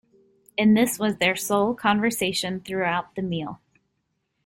And this was their sole conversation throughout the meal.